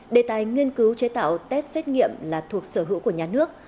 đề tài nghiên cứu chế tạo test xét nghiệm là thuộc sở hữu của nhà nước